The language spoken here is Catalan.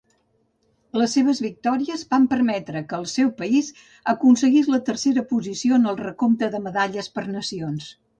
Les seves victòries van permetre que el seu país aconseguís la tercera posició en el recompte de medalles per nacions.